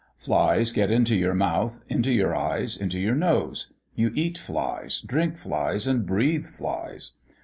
Flies get into your mouth, into your eyes, into your nose; you eat flies, drink flies, and breathe flies.